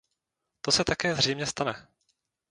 To se také zřejmě stane.